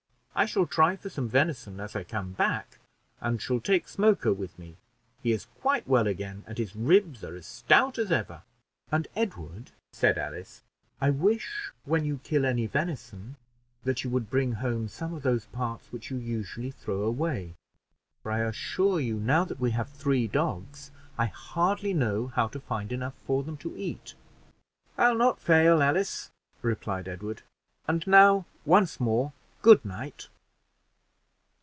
I shall try for some venison as I come back, and shall take Smoker with me; he is quite well again, and his ribs are as stout as ever." "And, Edward," said Alice, "I wish, when you kill any venison, that you would bring home some of those parts which you usually throw away, for I assure you, now that we have three dogs, I hardly know how to find enough for them to eat." "I'll not fail, Alice," replied Edward, "and now once more good night."